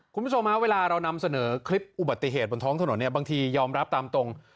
คุณผู้ชมฮะเวลาเรานำเสนอคลิปอุบัติเหตุบนท้องถนนเนี่ยบางทียอมรับตามตรง